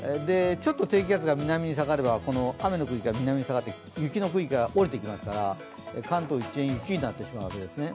ちょっと低気圧が南に下がれば雨の区域が南に下がって雪の区域が下りていきますから、関東一円、雪になります。